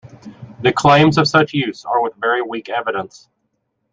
The claims of such use are with very weak evidence.